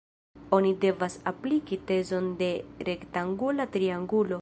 Oni devas apliki tezon de rektangula triangulo.